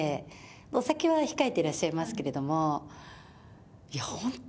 お酒は控えてらっしゃいますけれども、いや本当